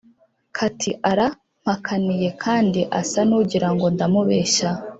kati: "arampakaniye kandi asa n' ugira ngo ndamubeshya"